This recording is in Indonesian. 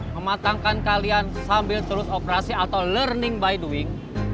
mematangkan kalian sambil terus operasi atau learning by doing